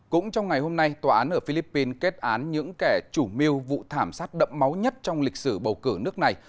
cũng trong ngày hôm nay tòa án ở philippines kết án những kẻ chủ mưu vụ thảm sát đậm máu nhất trong lịch sử bầu cử nước này